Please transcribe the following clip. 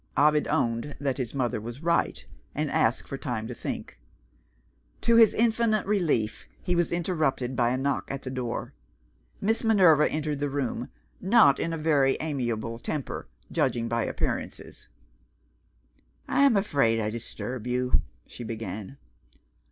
Ovid owned that his mother was right and asked for time to think. To his infinite relief, he was interrupted by a knock at the door. Miss Minerva entered the room not in a very amiable temper, judging by appearances. "I am afraid I disturb you," she began.